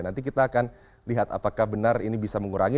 nanti kita akan lihat apakah benar ini bisa mengurangi